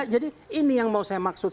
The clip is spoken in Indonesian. jadi ini yang mau saya maksud